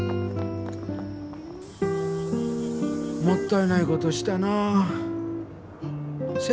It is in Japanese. もったいないことしたなあ。